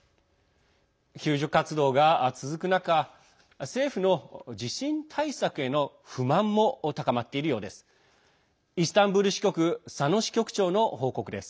救助活動が続く中政府の地震対策への不満も高まっているようです。